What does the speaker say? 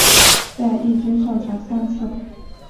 在一军上场三次。